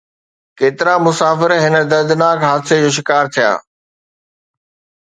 ڪيترا مسافر هن دردناڪ حادثي جو شڪار ٿيا